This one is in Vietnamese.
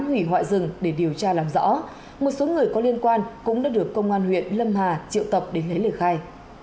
hủy hoại rừng để điều tra làm rõ một số người có liên quan cũng đã được công an huyện lâm hà triệu tập để lấy lời khai